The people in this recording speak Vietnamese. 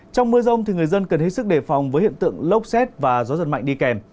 trong mưa rông thì người dân cần hết sức đề phòng với hiện tượng lốc xét và gió giật mạnh đi kèm